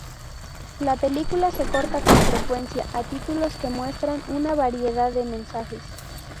La película se corta con frecuencia a títulos que muestran una variedad de mensajes.